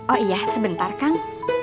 oh iya sebentar kang